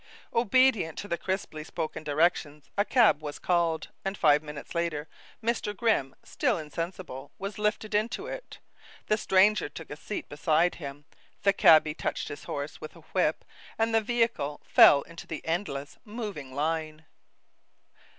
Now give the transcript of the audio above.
Obedient to the crisply spoken directions, a cab was called, and five minutes later Mr. Grimm, still insensible, was lifted into it. The stranger took a seat beside him, the cabby touched his horse with a whip, and the vehicle fell into the endless, moving line.